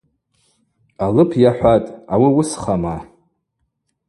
Алып йахӏватӏ: – Ауи уысхама.